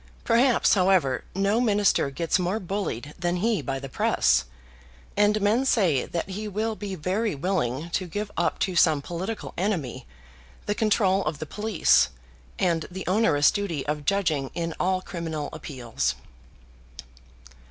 Perhaps, however, no minister gets more bullied than he by the press, and men say that he will be very willing to give up to some political enemy the control of the police, and the onerous duty of judging in all criminal appeals.